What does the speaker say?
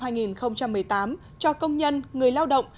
tết xung vầy năm hai nghìn một mươi tám cho công nhân người lao động